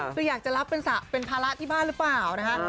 คืออยากจะรับเป็นภาระที่บ้านหรือเปล่านะคะ